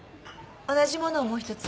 同じものをもう一つ。